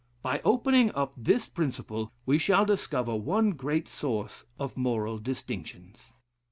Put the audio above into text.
By opening up this principle, we shall discover one great source of moral distinctions."